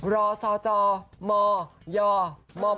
รอซาจอมยมฟ